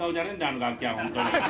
あのガキは本当に。